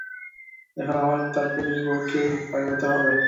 এখন আমার তার পুলিশ বউকে ভয় পেতে হবে?